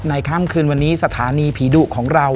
ข้ามคืนวันนี้สถานีผีดุของเรา